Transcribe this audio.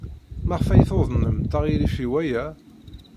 Maɣef ay tuḍnemt aɣilif i waya?